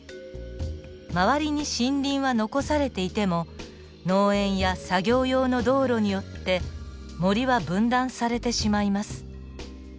周りに森林は残されていても農園や作業用の道路によって森は分断されてしまいます。